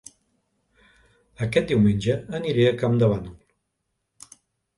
Aquest diumenge aniré a Campdevànol